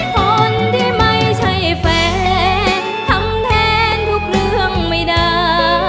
คนที่ไม่ใช่แฟนทำแทนทุกเรื่องไม่ได้